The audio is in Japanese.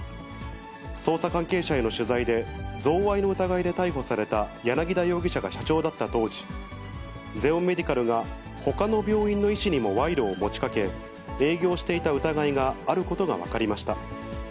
捜査関係者への取材で、贈賄の疑いで逮捕された柳田容疑者が社長だった当時、ゼオンメディカルがほかの病院の医師にも賄賂を持ちかけ、営業していた疑いがあることが分かりました。